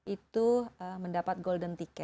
itu mendapatkan keuntungan